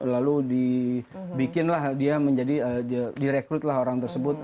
lalu di bikin lah dia menjadi di recruit lah orang tersebut